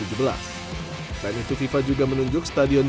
selain itu fifa juga menunjuk stadion